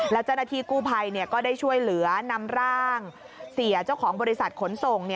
แล้วเจ้าหน้าที่กู้ภัยก็ได้ช่วยเหลือนำร่างเสียเจ้าของบริษัทขนส่ง